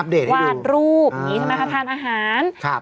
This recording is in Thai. อัปเดตให้ดูวาดรูปอ่านี่ใช่ไหมคะทานอาหารครับ